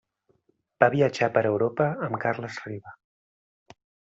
Va viatjar per Europa amb Carles Riba.